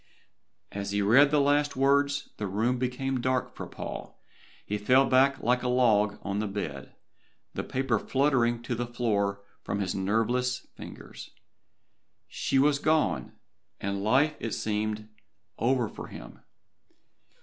As he read the last words the room became dark for Paul, and he fell back like a log on the bed, the paper fluttering to the floor from his nerveless fingers. She was gone and life seemed over for him.